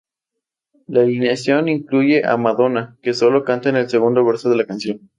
La alineación incluye a Madonna, que solo canta en el segundo verso de la canción.